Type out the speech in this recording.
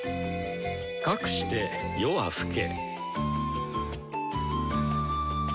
かくして夜は更け。